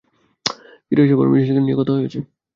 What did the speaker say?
ফিরে আসার পরে মিশেলকে নিয়ে কথা বলব।